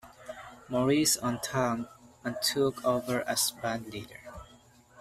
Maurice Unthank took over as band leader.